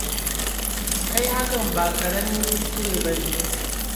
Kai hakan ba karamin kuskure ba ne.